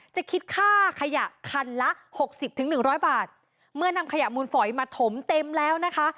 จะคิดค่าขยะคันละหกสิบถึงหนึ่งร้อยบาทเมื่อนำขยะมูลฝอยมาถมเต็มแล้วนะคะ